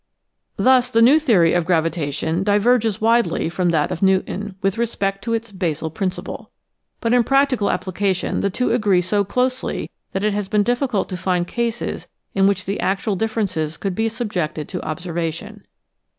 Thus the new theory of gravitation diverges widely from that of Newton with respect to its basal principle. But in practical application the two agree so closely that it has been difficult to find cases in which the actual dif ferences could be subjected to observation.